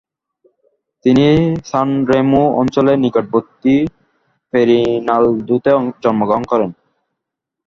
তিনি সানরেমো অঞ্চলের নিকটবর্তী পেরিনালদোতে জন্মগ্রহণ করেন।